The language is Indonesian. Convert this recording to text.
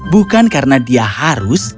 bukan karena dia harus